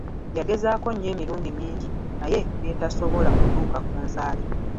Yagezaako nnyo emirundi mingi, naye n'etasobola kutuuka ku nsaali.